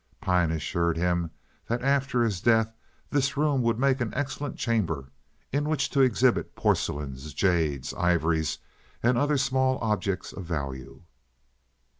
Pyne assured him that after his death this room would make an excellent chamber in which to exhibit porcelains, jades, ivories, and other small objects of value.